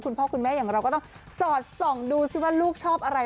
คุณพ่อคุณแม่อย่างเราก็ต้องสอดส่องดูสิว่าลูกชอบอะไร